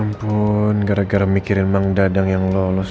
ya ampun gara gara mikirin emang dadang yang lolos